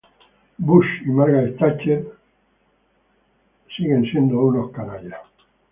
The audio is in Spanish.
Bush y Margaret Thatcher aún estaba vigente.